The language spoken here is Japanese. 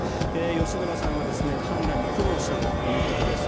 吉村さんは判断に苦悩したということです。